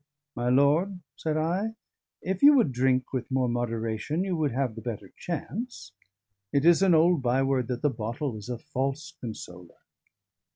"My lord," said I, "if you would drink with more moderation you would have the better chance. It is an old byword that the bottle is a false consoler."